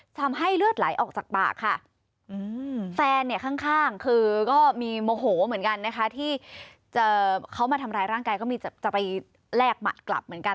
ทำให้เลือดไหลออกจากปากค่ะแฟนเนี่ยข้างคือก็มีโมโหเหมือนกันนะคะที่เขามาทำร้ายร่างกายก็มีจะไปแลกหมัดกลับเหมือนกัน